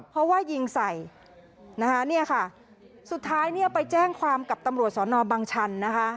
เพราะว่ายิงใส่สุดท้ายไปแจ้งความกับตำรวจสนบังชัน